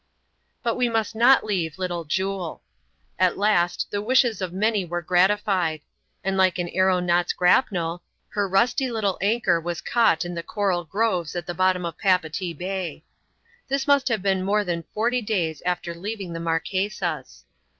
But we must not leave Little Jule. At last the wishes of many were gratified ; and like an aero naut's grapnel, her rusty little anchor was caught in the con] groves at the bottom of Papeetee Bay. This must have been more than forty days after leaving the Marquesas.